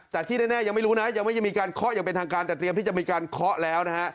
แต่ที่แน่ยังไม่รู้นะยังไม่ได้มีการเคาะอย่างเป็นทางการแต่เตรียมที่จะมีการเคาะแล้วนะฮะ